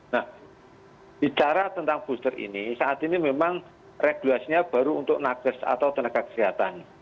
nah bicara tentang booster ini saat ini memang regulasinya baru untuk nakes atau tenaga kesehatan